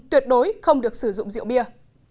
tuyệt đối không được sử dụng rượu bia